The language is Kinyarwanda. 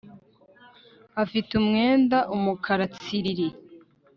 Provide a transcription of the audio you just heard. afite umwendaumukara tsiriri